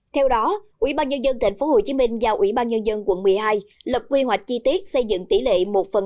theo đó ubnd tp hcm và ubnd quận một mươi hai lập quy hoạch chi tiết xây dựng tỷ lệ một phần năm trăm linh